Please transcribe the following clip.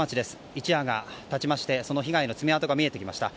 一夜が経ちまして被害の爪痕が見えてきました。